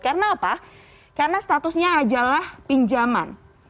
karena apa karena statusnya ajalah pinjaman